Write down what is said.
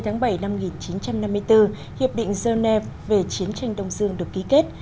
ngày hai mươi tháng bảy năm một nghìn chín trăm năm mươi bốn hiệp định geneva về chiến tranh đông dương được ký kết